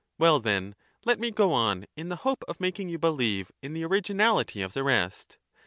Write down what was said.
Well, then, let me go on in the hope of making you believe in the originality of the rest.